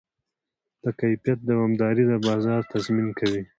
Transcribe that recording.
د کیفیت دوامداري د بازار تضمین کوي.